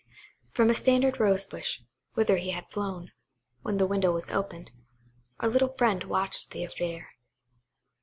From a standard rose bush, whither he had flown, when the window was opened, our little friend watched the affair.